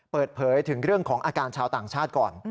เปิดเผยถึงเรื่องของอาการชาวต่างชาติก่อน